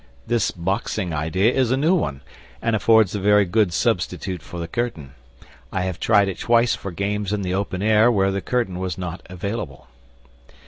(This boxing idea is a new one, and affords a very good substitute for the curtain; I have tried it twice for games in the open air where the curtain was not available.)